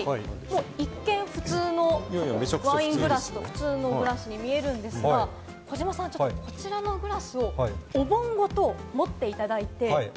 一見、普通のワイングラスと普通のグラスに見えるんですが、児嶋さん、こちらのグラスをお盆ごと持っていただいて。